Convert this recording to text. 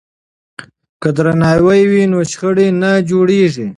که درناوی وي نو شخړه نه جوړیږي.